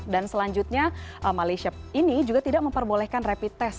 dan selanjutnya malaysia ini juga tidak memperbolehkan rapid test